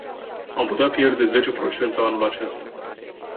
Am putea pierde zece procente anul acesta.